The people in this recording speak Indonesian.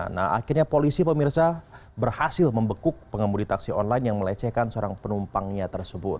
nah akhirnya polisi pemirsa berhasil membekuk pengemudi taksi online yang melecehkan seorang penumpangnya tersebut